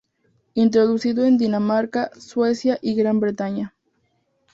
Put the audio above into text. Introducido en Dinamarca, Suecia y Gran Bretaña.